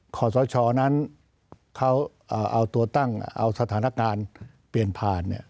ขอสชนั้นเขาเอาตัวตั้งเอาสถานการณ์เปลี่ยนผ่าน